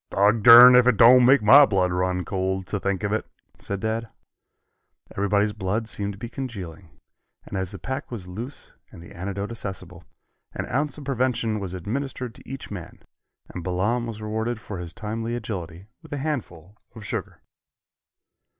"Dogdurn if it don't make my blood run cold to think of it," said Dad. Everybody's blood seemed to be congealing, and as the pack was loose and the antidote accessible, an ounce of prevention was administered to each man, and Balaam was rewarded for his timely agility with a handful of sugar.